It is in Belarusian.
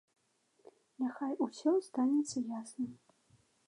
Няхай усё станецца ясным.